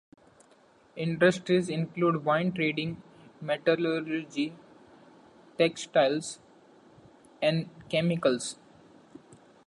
Industries include wine-trading, metallurgy, textiles, and chemicals.